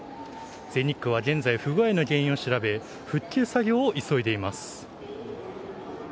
全日空は、現在、不具合の原因を調べ復旧作業を急いでいます。